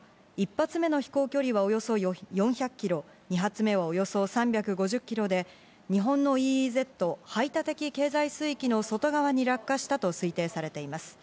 １発目の飛行距離はおよそ４００ｋｍ、２発目はおよそ３５０ｋｍで日本のＥＥＺ＝排他的経済水域の外側に落下したと推定されます。